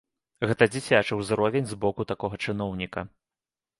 Гэта дзіцячы ўзровень з боку такога чыноўніка.